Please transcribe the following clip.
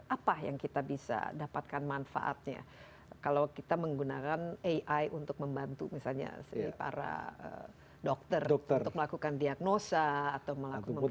apa yang kita bisa dapatkan manfaatnya kalau kita menggunakan ai untuk membantu misalnya para dokter untuk melakukan diagnosa atau melakukan